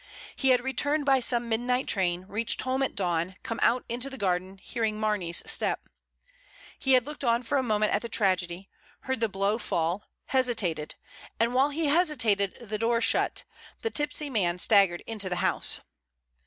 He had re turned by some midnight train; reached home at dawn; come out into the garden, hearing Marney's step. He had looked on for a moment at the tragedy; heard the blow fall; hesitated, and while he hesitated the door shut — the tipsy man staggered into the house.